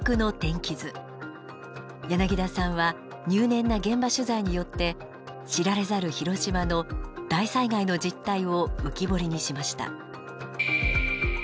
柳田さんは入念な現場取材によって知られざる広島の大災害の実態を浮き彫りにしました。